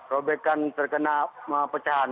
robekan terkena pecahan